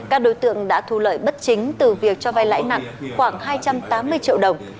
các đối tượng đã thu lợi bất chính từ việc cho vai lãi nặng khoảng hai trăm tám mươi triệu đồng